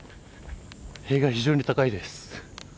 塀が非常に高いです。